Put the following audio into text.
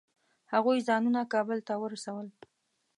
هغوی ځانونه کابل ته ورسول.